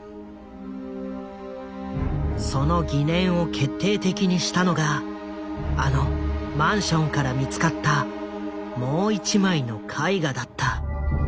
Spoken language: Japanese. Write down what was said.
その疑念を決定的にしたのがあのマンションから見つかったもう１枚の絵画だった。